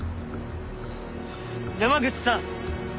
山口さん！